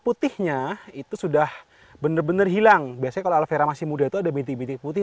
putihnya itu sudah bener bener hilang biasa kalau vera masih muda itu ada bintik bintik putih